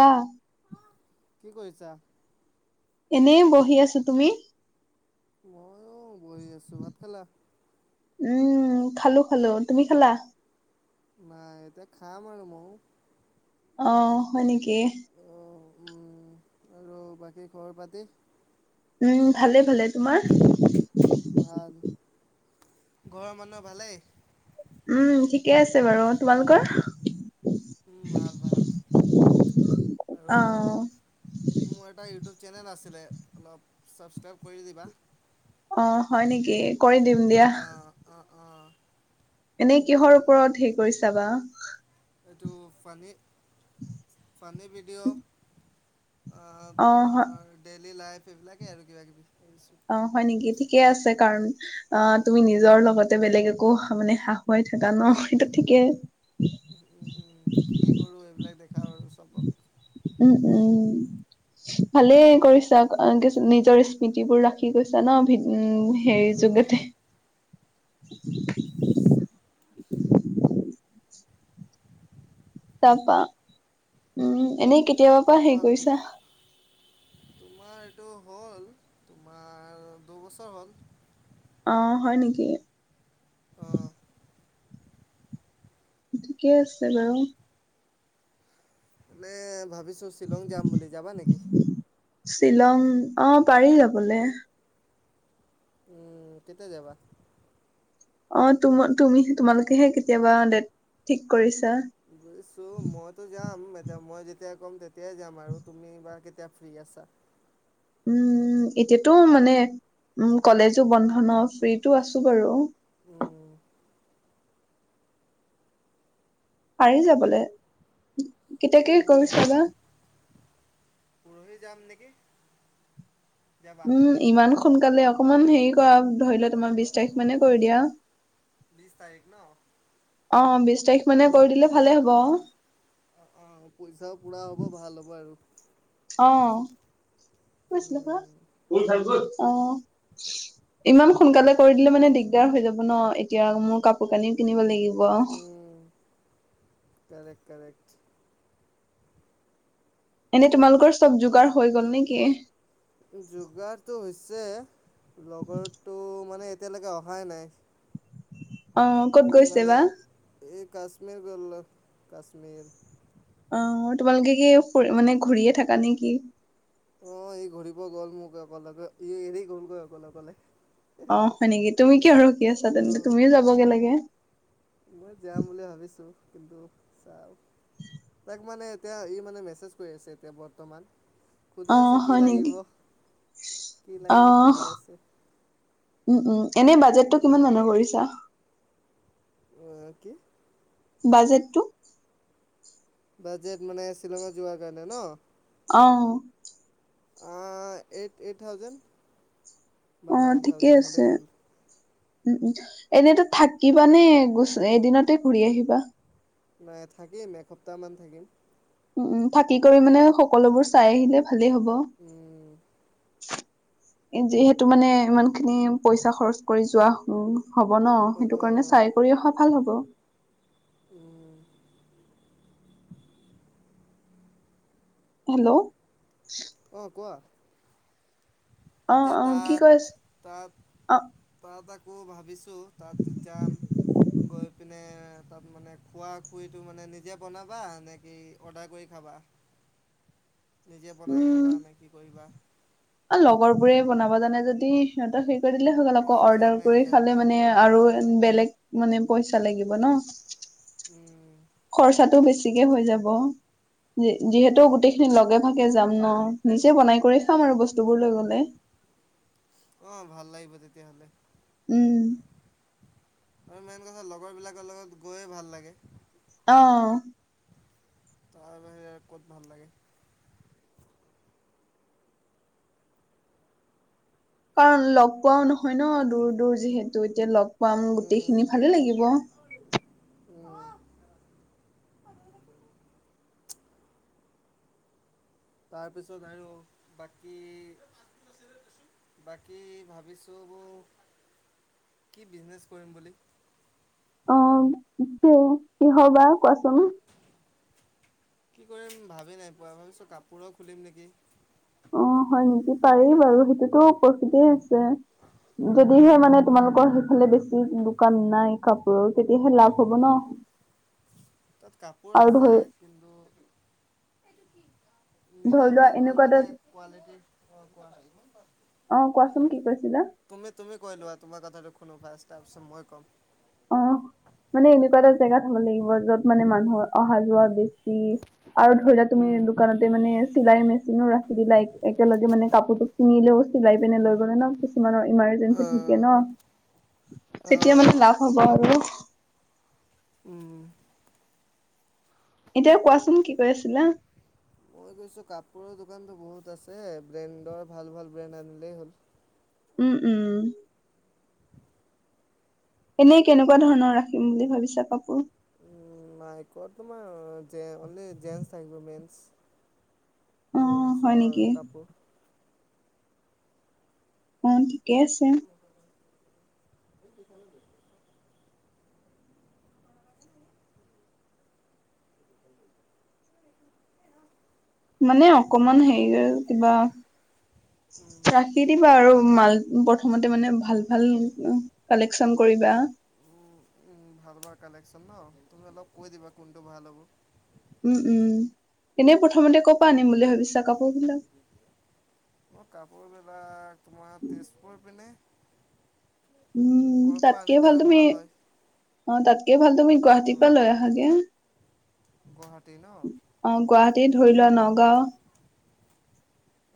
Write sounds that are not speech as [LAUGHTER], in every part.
অ। কি কৰিছা? এনেই বহি আছো তুমি মইয়ো বহি আছো ভাত খালা। উম খালো খালো তুমি খালা নাই এতিয়া খাম আও ময়ো অ হয় নেকি অ উম আৰু বাকী ঘৰ পাতি উম ভালে ভালে তোমাৰ ভাল ঘৰৰ মানুহ ভালেই উম ঠিকে আছে বাৰু তোমালোকৰ উম ভাল ভাল আৰু অ মোৰ এটা ইউটিউব চেনেল আছিলে অলপ ছাবস্ক্ৰাইব কৰি দিবা অ হয় নিকি কৰি দিম দিয়া। অ' অ' অ' এনেই কিহৰ ওপৰত হেৰি কৰিছা বা। এইটো ফানী ফানী ভিডিঅ' অ তোমাৰ ডেইলি লাইফ এইবিলাকে আৰু কিবা কিবি। অ হয় নিকি ঠিকে আছে কাৰণ অ তুমি নিজৰ লগত বেলেগ একো মানে হাহুৱাই থাকা ন সেইটো ঠিকেই। উম উম কি কি কৰো এইবিলাক দেখাও আৰু চবক। উম উম ভালেই উম, কৰিছা কিছু নিজৰ স্মিতিবোৰ ৰাখি গৈছা ন উম হেৰি অ' যোগেতে। [UNINTELLIGIBLE] [INAUDIBLE] তাপা উম এনেই কেতিয়াবা পা হেৰি তাৰপৰা কৰিছা? তোমাৰ এইটো হ'ল, তোমাৰ দুবছৰ হ'ল। অহ হয় নেকি। অ'। ঠিকে আছে বাৰু। মানে ভাবিছো শ্বিলং যাম বুলি, যাবা নেকি? শ্বিলং অ পাৰি যাবলে। উম কেতিয়া যাবা? অ তুম তুমি তোমালোকেহে কেতিয়াবা ডেট ঠিক কৰিছ- বুজিছো মইতো যাম এ- টিয়া মই যেতিয়া ক'ম তেতিয়াই যাম আৰু তুমি বা কেতিয়া ফ্ৰী আছা। উম এতিয়াতো মানে উ কলেজো বন্ধ ন ফ্ৰীটো আছো বাৰু। উম। পাৰি যাবলে কেতিয়াকে উম, কৰিছা বা হি যাম নেকি? যাবা? উম ইমান সোনকালে অকমান হেৰি কৰা ধৰি ল তোমাৰ অ', বিশ অ', তাৰিখ অ', মানে অ', কৰি দিয়া। বিছ তাৰিখ ন? অ বিশ তাৰিখ মানে কৰি দিলে ভালে হ'ব। [UNINTELLIGIBLE] অ পইচাও পুৰা হ'ব ভাল হ'ব আৰু। অ। [UNINTELLIGIBLE] উম, খুল খাই গ'ল। [INAUDIBLE] ইমান সোনকালে কৰি দিলে মানে দিগদাৰ হৈ যাব ন, এতিয়া মোৰ কাপোৰ কানি‌ কিনিব লাগিব- বহ। উম, কাৰেক্ট, কাৰেক্ট এনেই তোমালোকৰ চব যোগাৰ হৈ গল নেকি? যোগাৰটো হৈছ- ছে লগৰটো মানে এতিয়ালৈকে অহাই নাই। অ ক'ত ই গৈছে মানে বা? এই কাশ্মীৰ গল্ল কাশ্মীৰ। অ তোমালোকে কি মানে ঘূৰিয়ে থাকা নেকি? অ ই ঘূৰিব গ'ল মোক অকেলগে ই এৰি গলগৈ অকলে অকলে। অ হয় নেকি তুমি কিয় ৰখি আছা, তেন্তে তুমিও ত' যাবগে লাগে। দুখ চাওঁক। তাক মানে এতিয়া ই মানে মেছেজ কৰি আছে এতিয়া বৰ্তমান। সুধি অ আছে কি হয় নেকি? লাগিব, কি অ লাগিব সুধি আছে। উম উম এনেই বাজেটটো কিমান মানৰ কৰিছা? অ কি? বাজেটটো? বাজেট মানে শ্বিলঙত যোৱাৰ কাৰণে ন? অ। আ এইট এইট থাউজেণ্ড বা অ নাইন ঠিকে থাউজেণ্ড আছে হ'লেই হ'ল। উম উ এনেতো থাকিবা নে গুছ এদিনতে ঘূৰি আহিবা? নাই থাকিম এসপ্তাহ মান থাকিম। উম থাকি কৰি মানে সকলোবোৰ চাই আহিলে ভালেই হব। উম যিহেতু মানে ইমান খিনি পইচা খৰচ কৰি যোৱা হু- হ'ব ন অ' সেইটো কাৰণে অ' চাই কৰি সফাল হ'ব। উম। হেল্ল'। অ কোৱা? অ এতিয়া অ কি তাত কৈ আছে তাত অ তা তাক। আকৌ ভাবিছোঁ তাত যে যাম। গৈ পিনে তাত মানে খোৱা খুইতো মানে নিজে বনাবা নে কি অৰ্ডাৰ কৰি খাব- কোৱা? নিজে বনাই খাবা নে কি কৰিবা? লগৰবোৰে বনাব জানে যদি সিহঁত সে- কৈ দিলে হৈ গল আক অঁ অৰ্ডাৰ জানে কৰি খালে জানে মানে আৰু বেলেগ মানে পইচ- তা লাগিব ন, উম খৰচাটো বেছিকৈ হৈ যাব। যিহেতু উম গোটেইখিনি লগে ভাগে যাম ন, নিজে বনাই কৰি খাম উম আৰু বস্তুবোৰ লৈ গ'লে। অ ভাল লাগিব তেতিয়া হ'লে। উম। আৰু মেইন কথা লগৰ বিলাকৰ লগত গৈয়ে ভাল লাগে। অ। তাৰ বাহিৰে ক'ত ভাল লাগে। কাৰণ লগ পোৱাও নহয় ন, দূৰ দূৰ যিহেতু এতিয়া লগ পাম গোটেইখিনি ভালেই লাগিব। উ। তাৰপিছত আৰু বাকী। বাকী ভাবিছোঁ বও কি বিজনেচ কৰিম বুলি। ইটো কি হয় বাৰু কোৱাচোন? কি কৰিম ভাবি নাই পোৱা ভাবিছোঁ কাপোৰৰ খুলিম নেকি? অ হয় নেকি পাৰি বাৰু সেইটোতো পৰিখিতে হৈছে। যদিহে মানে তোমালোকৰ সেইফালে বেছি দোকান নাই কাপোৰ তেতিয়াহে লাভ হ'ব ন। তাত কাপোৰ আৰু আছে ধৰি কিন্তু নিজে ধৰি লোৱা ভাল ভাল এনেকুৱা এটা মানে কোৱালিটি কোৱা অ কোৱা কোৱাচোন কি কৈছিলা? তুমি তুমি কৈ লোৱা তোমাৰ কথাটো শুনো ফাৰ্ষ্ট তাৰ তাৰ পাছত ম ই কম। অ', মানে এনেকুৱা এটা জেগাত হব লাগিব যত মানে মানুহৰ অহা যোৱা বেছ- কি আৰু ধৰি লোৱা তুমি দোকানতে মানে চিলাই মেচ- চিনো ৰাখি দিলা একে একেলগে মানে কাপোৰ তোক কিনিলেও চিলাই পিনে লৈ গ'লে ন কিছুমানৰ ইমাৰ জেনচি থাকে আহ যেতিয়া মানে আহ লাভ হ'ব আৰু হ। উম এতিয়া কোৱাচোন কি কৈ আছিলা? মই গৈছো কাপোৰৰ দোকানতো বহুত আছে, ব্ৰেণ্ডৰ ভাল ভাল ব্ৰেণ্ড আনিলেই হ'ল। উম উম। এনেই কেনেকুৱা ধৰণৰ ৰাখিম বুলি ভাবিছা কাপোৰ। উম নাই ক তোমাৰ যে মানে যেনচ থাকিব মেনচ। অ হয় জেমছৰ নেকি কাপোৰ। অন থিকে আছে। [UNINTELLIGIBLE] মানে অকমান হেৰি কিবা ৰাখি দিবা আৰু মাল প্ৰথমতে মানে ভাল ভাল কালেকচন কৰিবা। উ ভাল হোৱা কালেকচন ন তুমি অলপ কৈ দিবা কোনটো ভাল হ'ব। উম উম এনেই প্ৰথমতে ক' পা আনিম বুলি ভাবিছা কাপোৰ বিলাক? মই কাপোৰবিলাক তোমাৰ তেজপুৰ পিনে। উম ক'ৰ পৰা তাতকে আনিলে ভাল তুমি, হয়। অ তাত কে ভাল তুমি গুৱাহাটীৰ পৰা অঁ লৈ আহাগে। অ গুৱাহাটী ন গুৱাহাটী ধৰি লোৱা নগাঁও।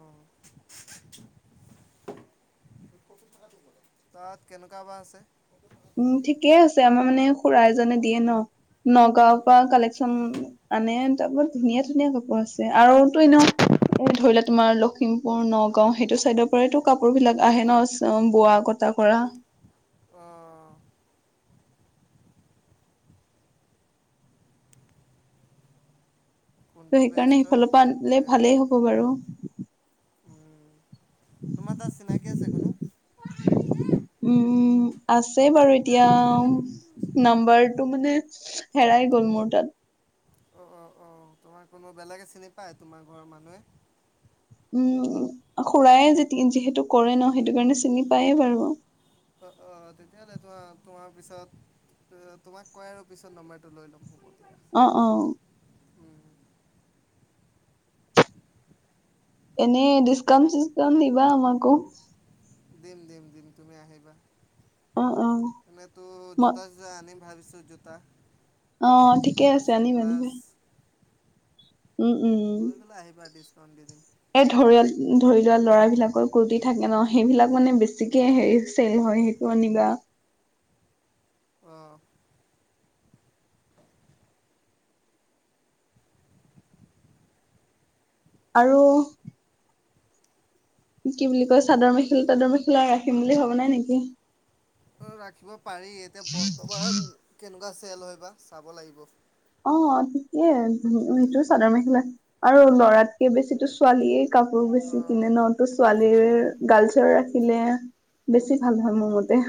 অ। তাত কেনেকুৱা বা আছে? উম ঠিকেই আছে আমাৰ মানে খোৰা এজনে দিয়ে ন নগাঁওৰ পৰা কালেকচন আনে। তাত বৰ ধুনীয়া ধুনীয়া কাপোৰ আছে আৰুতো এনে ধৰিলোৱা তোমাৰ লখিমপুৰ, নগাও সেইটো চাইদৰ পৰাইতো কাপোৰ বিলাক আহে ন বোৱা কটা কৰা। অ। ত' কোনটো সেইকাৰণে বেষ্ট হয় সিফালৰ পৰা তোক আনিলে ক'লেই হ'ল। ভালেই হ'ব বাৰু। তোমাৰ তাত চিনাকি আছে কোনো? খোৱা শান্তি নাই? উম, আছে বাৰু এতিয়া নাম্বাৰটো মানে হেৰাই গ'ল মোৰ তাত। অ অ অ তোমাৰ কোনো বেলেগে চিনি পায় তোমাৰ ঘৰৰ মানুহে? উম খুৰায়ে যে যিহেতু কৰে ন সেইটো কাৰণে চিনি পায়ে বাৰু। অ অ তেতিয়াহলে তোমাৰ তোমাৰ পিছত তোমাক কয় আৰু পিছত নম্বাৰটো লৈ ল'ম হ'ব। দিয়া অ অ। উম এনে ডিসকাউণ্ট চিচকাণ্ট দিবা আমাকো। দিম দিম দিম তুমি আহিবা অ', অ', এনেই তো ম জোতা চোতা আনিম ভাবিছ- ছু জোতা। অ ঠিকে জোতা আছে আনিম ছানগ্লাছ আনিমে। উম লৈ পেলাই আহিবা ডিছকাউণ্ট দি দিম উম এই ধৰিয়াল ধৰি লোৱা লৰা বিলাকৰ কুৰ্তি থাকে ন সেইবিলাক মানে বেছিকে হেৰি চেল হয় সেইটো আনিবা। অহ। আৰু কি বুলি কয় চাদৰ মেখেলা তাদৰ মেখেলা ৰাখিম বুলি ভাবা নাই নেকি? অ ৰাখিব পাৰি এতিয়া বৰ্তমান কেনেকুৱা চেল হয় বা চাব লাগিব। অ ঠিকে সেইটো চাদৰ মেখেলা আৰু লৰাতকে বেছিটো ছোৱালীয়ে কা- কাপোৰ বেছি অঁ কিনে ন তো ছোৱালীৰ গাৰ্লছৰ ৰাখিলে বেছি ভাল হয় মোৰ মতে।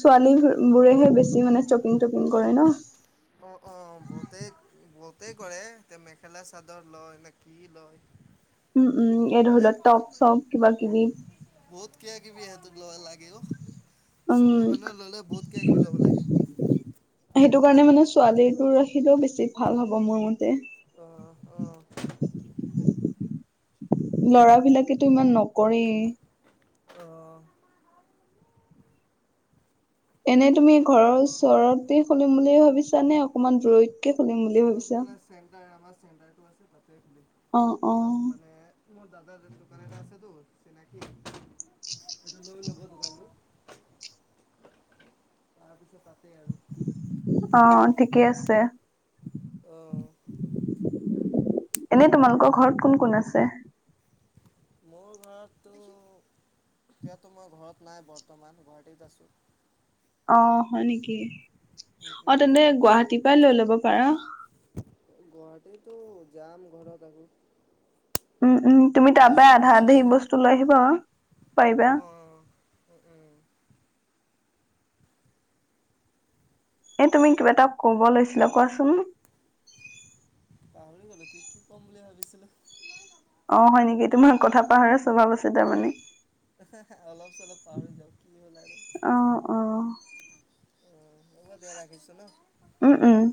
ছোৱালী অ'কে বোৰেহে বেছি মানে চপিং টকিং কৰে ন। অ বহুতেই বহুতেই কৰে এ মেখেলা চাদৰ লয় নে কি লয়। উম উম এ ধৰি মানে ল টপ চপ কিবা কিবি। কে কিবি সেত লয় লাগেও উম ছোৱালী মানুহ ললে বহুত কিবা কিবি ল'ব লাগে। সেইটো কাৰণে মানে ছোৱালী বোৰৰ ৰাখিলেও বেছি ভাল হব মোৰ মতে। অহ অহ। ল'ৰা বিলাকেতো ইমান নকৰে। অ এনে তুমি ঘৰৰ ল'ৰা ওচৰতে খুলিম বুলি ভাবিছা নে অকনমান দূৰৈত খুলিম বুলি ভাবিছ- অলপ মানে চেণ্টাৰ আমাৰ চেণ্টাৰটো আছে তাত খুলিম অ অ তাত মানে। মোৰ দাদাৰ দোকান এটা আছেতো চিনাকি সেইটো লৈ ল'ব দোকানটো। তাৰপিছত তাতে আৰু। অ ঠিকেই আছে। অহ। এনে তোমালোকৰ ঘৰত কোন কোন আছে? মোৰ ঘৰতটো- এতিয়াতো মই ঘৰত নাই বৰ্তমান গুৱাহাটীত আছোঁ। অ হয় নেকি অ তেন্তে গুৱাহাটীৰ পৰা লৈ লব পাৰা। গুৱাহাটীতো যাম ঘৰত আকৌ। উম উম তুমি তাৰ গৈ পৰাই আধা গৈ আধি লৈ সি বস্তু লৈ আহিবা। অ পাৰিবা অ উম উম এ তুমি কিবা এটা কব লৈছিলা কোৱাচোন? পাহৰি গ'লো কি কি ক'ম বুলি ভাবিছিলোঁ অ হয় নেকি তোমাৰ কথা পাহৰা স্বভাৱ আছে তাৰমানে। অলপ চলপ পাহৰি যাও কি হ'ল আৰু। অ হব দিয়া ৰাখিছো ন। উম উম।